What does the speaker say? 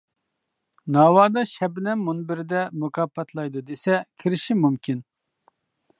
ناۋادا شەبنەم مۇنبىرىدە مۇكاپاتلايدۇ دېسە كىرىشى مۇمكىن!